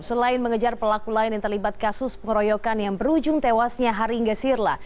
selain mengejar pelaku lain yang terlibat kasus pengeroyokan yang berujung tewasnya haringga sirla